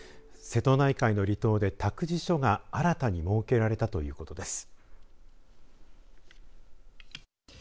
瀬戸内海の離島で託児所が新たに設けられたということです。